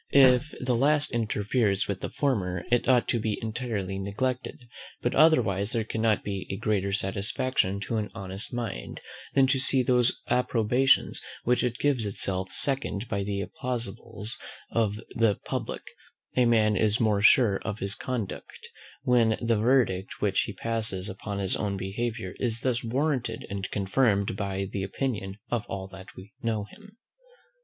If the last interferes with the former, it ought to be entirely neglected; but otherwise there cannot be a greater satisfaction to an honest mind, than to see those approbations which it gives itself seconded by the applauses of the publick: a man is more sure of his conduct, when the verdict which he passes upon his own behaviour is thus warranted and confirmed by the opinion of all that know him.